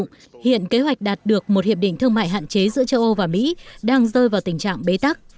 giữa châu âu và mỹ đang rơi vào tình trạng bế tắc